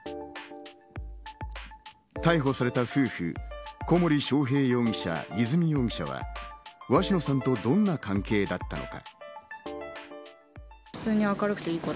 逮捕された夫婦、小森章平容疑者、和美容疑者は鷲野さんとどんな関係だったのか？